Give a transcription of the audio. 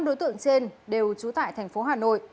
năm đối tượng trên đều trú tại tp hcm